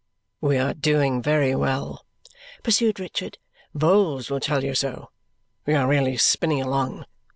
"We are doing very well," pursued Richard. "Vholes will tell you so. We are really spinning along.